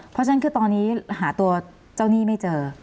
เพราะฉะนั้นคือตอนนี้หาตัวเจ้าหนี้ไม่เจอ